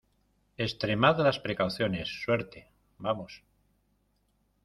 extremad las precauciones. suerte, vamos .